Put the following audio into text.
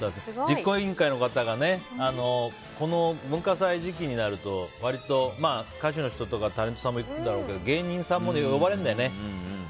実行委員会の方が文化祭時期になると割と歌手の人とかタレントさんも行くんだろうけど芸人さんも呼ばれるんだよね。